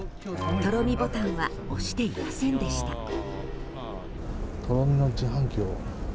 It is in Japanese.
とろみボタンは押していませんでした。